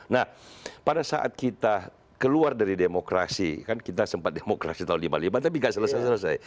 nah pada saat kita keluar dari demokrasi kan kita sempat demokrasi tahun lima puluh lima tapi nggak selesai selesai